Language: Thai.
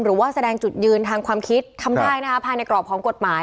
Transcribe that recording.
หรือว่าแสดงจุดยืนทางความคิดทำได้นะคะภายในกรอบของกฎหมาย